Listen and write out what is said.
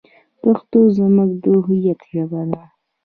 پښتو زموږ د هویت ژبه ده.